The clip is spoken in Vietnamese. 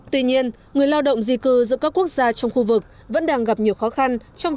tuy nhiên người lao động di cư giữa các quốc gia trong khu vực vẫn đang gặp nhiều khó khăn trong